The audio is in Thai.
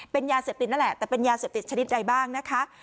เป็นยาเสพติดนั่นแหละแต่เป็นยาเสพติดชนิดใดบ้างนะคะ